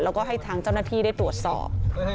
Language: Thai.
แล้วก็ให้ทางเจ้าหน้าที่ได้ตรวจสอบ